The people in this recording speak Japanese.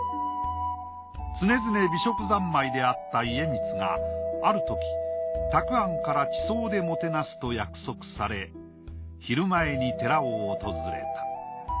常々美食三昧であった家光があるとき沢庵から馳走でもてなすと約束され昼前に寺を訪れた。